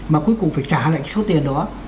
mà cuối cùng phải trả lại số tiền đó